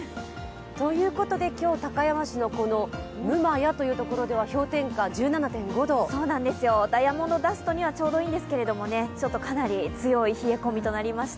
ということで、今日、高山市の六厩というところではダイヤモンドダストにはちょうどいいんですけれども、かなり強い冷え込みとなりました。